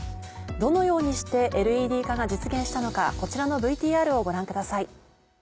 どのようにしてＬＥＤ化が実現したのかこちらのＶＴＲをご覧ください。